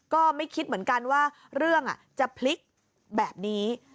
ก็ไม่คิดเหมือนกันว่าเรื่องจะพลิกแบบนี้